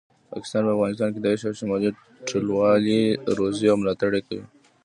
پاکستان په افغانستان کې داعش او شمالي ټلوالي روزي او ملاټړ یې کوي